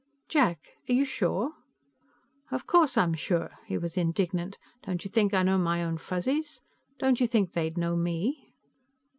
"Jack, are you sure?" "Of course I'm sure!" He was indignant. "Don't you think I know my own Fuzzies? Don't you think they'd know me?"